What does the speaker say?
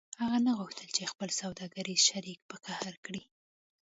هغه نه غوښتل چې خپل سوداګریز شریک په قهر کړي